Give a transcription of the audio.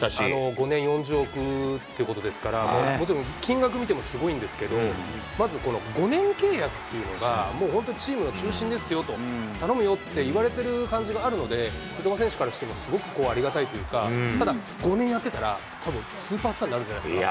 ５年４０億ということですから、もちろん、金額見てもすごいんですけど、まずこの５年契約っていうのが、もう本当にチームの中心ですよと、頼むよっていわれてる感じがあるので、三笘選手からしても、すごくありがたいというか、ただ、５年やってたらたぶん、スーパースターになるんじゃないですか。